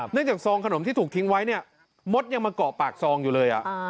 เนื่องจากซองขนมที่ถูกทิ้งไว้มดยังมาเกาะปากซองอยู่เลย